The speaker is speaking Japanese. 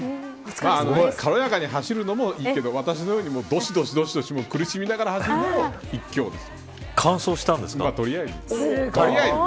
軽やかに走るのもいいけど私のように、どしどし苦しみながら走るのも一興です。